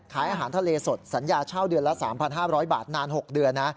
ขายอาหารทะเลสดสัญญาเช่าเดือนละ๓๕๐๐บาทนาน๖เดือนนะ